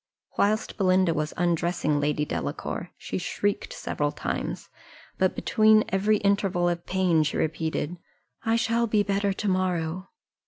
Whilst Belinda was undressing Lady Delacour, she shrieked several times; but between every interval of pain she repeated, "I shall be better to morrow."